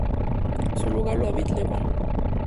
Su lugar lo ocuparía David Lebón.